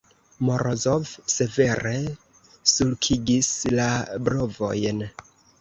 Morozov severe sulkigis la brovojn.